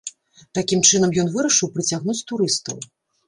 Такім чынам ён вырашыў прыцягнуць турыстаў.